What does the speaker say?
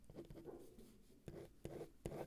sio ate kusema ati serikali ndio itatupandia miti